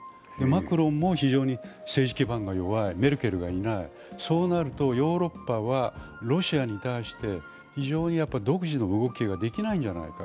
マクロンも非常に政治基盤が弱い、メルケルがいない、そうなるとヨーロッパはロシアに対して非常に独自の動きができないんじゃないか。